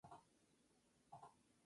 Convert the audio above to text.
El programa consta de varias secciones.